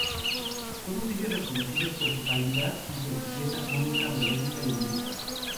Todos ellos reconocidos por su calidad y sencillez armónica, melódica y lírica.